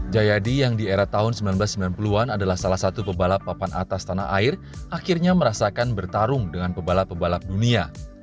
jayadi yang di era tahun seribu sembilan ratus sembilan puluh an adalah salah satu pebalap papan atas tanah air akhirnya merasakan bertarung dengan pebalap pebalap dunia